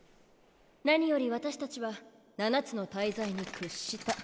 何より私たちは七つの大罪に屈した。